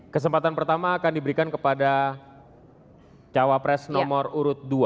kesempatan pertama akan diberikan kepada cawapres nomor urut dua